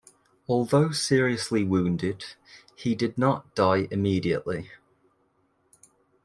Although seriously wounded, he did not die immediately.